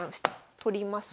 取ります。